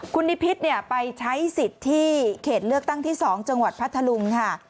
คุณนิพิษไปใช้สิทธิ์ที่เขตเลือกตั้งที่๒จังหวัดพัทธลุงค่ะ